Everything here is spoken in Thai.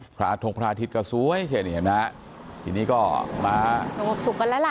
พระทงพระอาทิตย์กระสวยใช่ไหมนะทีนี้ก็มาสุกกันแล้วล่ะ